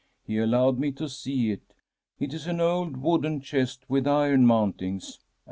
He allowed me to see it. It is an old wooden chest with iron mountings.'